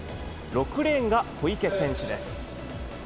６レーンが小池選手です。